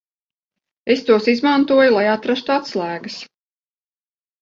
Es tos izmantoju, lai atrastu atslēgas.